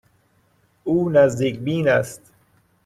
او نزدیک بین است.